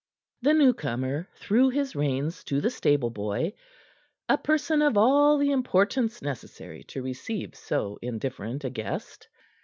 The newcomer threw his reins to the stable boy a person of all the importance necessary to receive so indifferent a guest.